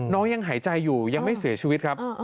ยังหายใจอยู่ยังไม่เสียชีวิตครับ